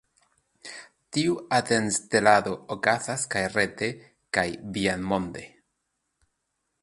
Tiu atentŝtelado okazas kaj rete, kaj viandmonde.